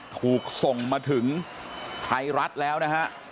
ถูกส่งมาถึงไทยรัฐแล้วนะฮะ